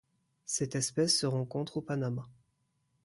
Cette espèce se rencontre au Panama.